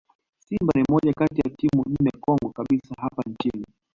Simba ni moja kati ya timu nne kongwe kabisa hapa nchini